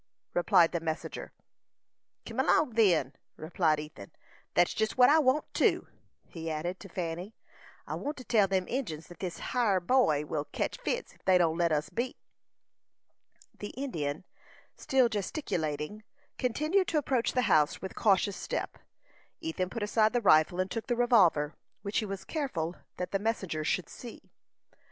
replied the messenger. "Kim along, then," replied Ethan. "That's jest what I want, too," he added, to Fanny. "I want to tell them Injins that this hyer boy will ketch fits if they don't let us be." The Indian, still gesticulating, continued to approach the house with cautious step. Ethan put aside the rifle, and took the revolver, which he was careful that the messenger should see.